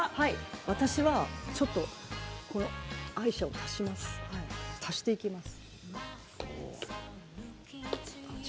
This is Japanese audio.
私は、ちょっとアイシャを足していきます。